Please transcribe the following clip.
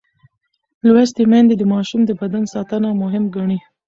لوستې میندې د ماشوم د بدن ساتنه مهم ګڼي.